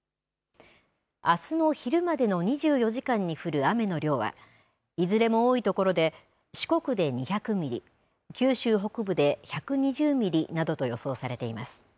あすの昼までの２４時間に降る雨の量は、いずれも多い所で、四国で２００ミリ、九州北部で１２０ミリなどと予想されています。